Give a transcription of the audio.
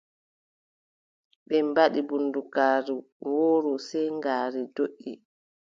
Ɓe mbaɗi bundugaaru wooru sey ngaari doʼi.